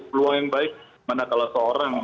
peluang yang baik manakala seorang